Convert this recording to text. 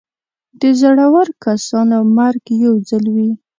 د زړور کسانو مرګ یو ځل وي.